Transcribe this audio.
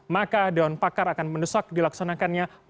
maka dewan pakar akan mendesak dilaksanakannya